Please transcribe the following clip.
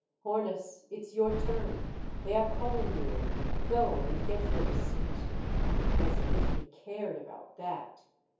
" Hornus, it 's your turn. They are calling you. Go and get your receipt." As if he cared about that